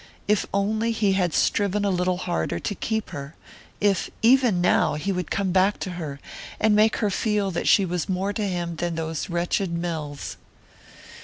If only he had striven a little harder to keep her if, even now, he would come back to her, and make her feel that she was more to him than those wretched mills!